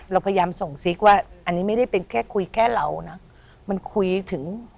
เราพยายามส่งซิกว่าอันนี้ไม่ได้เป็นแค่คุยแค่เรานะมันคุยถึง